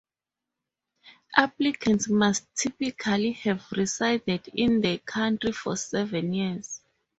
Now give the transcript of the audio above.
Applicants must typically have resided in the country for seven years.